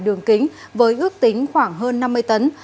đường kính với ước tính khoảng hơn năm mươi tấn